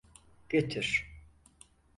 Götür.